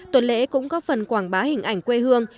tuần lễ cũng có phần quảng bá hình ảnh quê hương